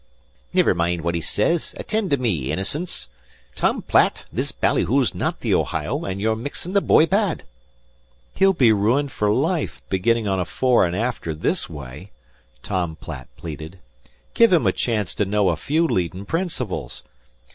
"Niver mind fwhat he says; attind to me, Innocince. Tom Platt, this bally hoo's not the Ohio, an' you're mixing the bhoy bad." "He'll be ruined for life, beginnin' on a fore an' after this way," Tom Platt pleaded. "Give him a chance to know a few leadin' principles.